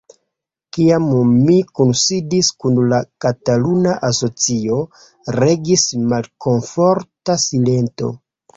Kiam mi kunsidis kun la kataluna asocio, regis malkomforta silento.